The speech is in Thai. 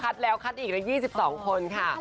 อ๋อคัดแล้วคัดอีกแล้ว๒๒คนค่ะ